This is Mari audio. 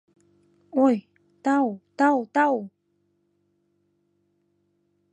Ой, тау, тау, тау